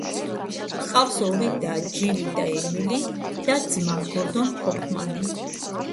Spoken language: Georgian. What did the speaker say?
ჰყავს ორი და, ჯილი და ემილი, და ძმა, გორდონ ჰოფმანი.